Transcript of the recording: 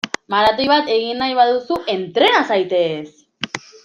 Maratoi bat egin nahi baduzu, entrena zaitez!